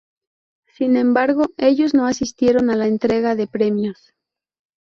Sin embargo, ellos no asistieron a la entrega de premios.